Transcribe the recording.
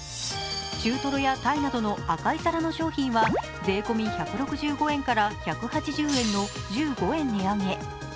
中トロやたいなどの赤い皿の商品は税込み１６５円から１８０円の１５円値上げ。